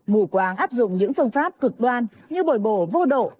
ngủ quang áp dụng những phương pháp cực đoan như bồi bồ vô độ